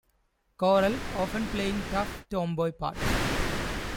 Corral, often playing tough tomboy parts.